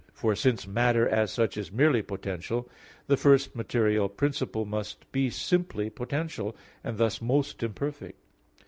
For since matter as such is merely potential, the first material principle must be simply potential, and thus most imperfect.